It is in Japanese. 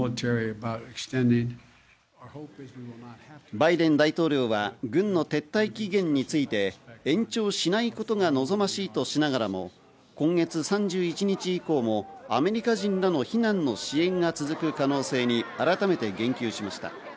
バイデン大統領は軍の撤退期限について延長しないことが望ましいとしながらも、今月３１日以降もアメリカ人らの避難の支援が続く可能性に改めて言及しました。